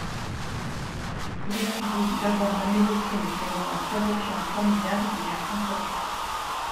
Il étudie d'abord la médecine, selon la tradition familiale, mais à contrecœur.